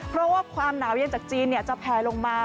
เพราะว่าความหนาวเย็นจากจีนจะแผลลงมา